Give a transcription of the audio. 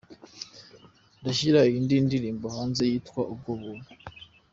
ndashyira indi ndirimbo hanze yitwa ubwo buntu.